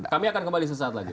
kami akan kembali sesaat lagi